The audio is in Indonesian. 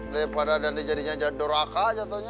daripada nanti jadinya jadur raka aja taunya